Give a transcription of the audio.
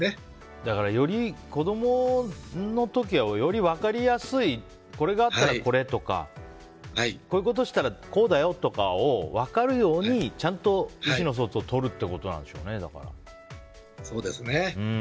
だから、子供の時はより分かりやすいこれがあったらこれとかこういうことしたらこうだよとかを、分かるようにちゃんと意思の疎通をとるっていうことなんでしょうね。